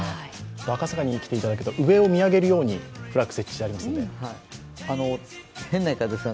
赤坂に来ていただくと、上に見上げるようにフラッグ設置してあるんです。